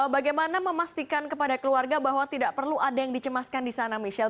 bagaimana memastikan kepada keluarga bahwa tidak perlu ada yang dicemaskan di sana michelle